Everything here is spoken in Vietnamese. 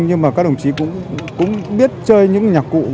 nhưng mà các đồng chí cũng biết chơi những nhạc cụ